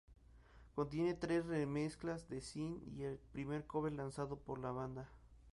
Contiene tres remezclas de "Sin" y el primer cover lanzado por la banda.